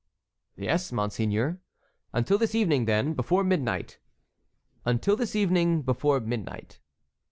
"Yes, monseigneur." "Until this evening then, before midnight." "Until this evening, before midnight."